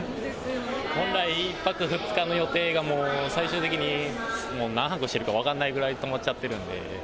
本来１泊２日の予定が、もう、最終的にもう何泊してるか分からないぐらい泊まっちゃってるので。